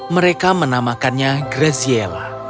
mereka menamakannya graziella